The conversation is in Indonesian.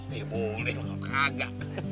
oh ya boleh kaga